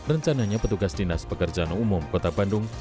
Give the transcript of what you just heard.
rencananya petugas dinas pekerjaan umum kota bandung